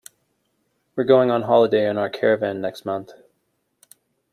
We're going on holiday in our caravan next month